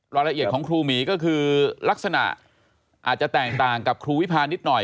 รายละเอียดของครูหมีก็คือลักษณะอาจจะแตกต่างกับครูวิพานิดหน่อย